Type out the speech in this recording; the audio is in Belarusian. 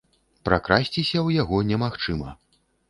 Пракрасціся ў яго немагчыма.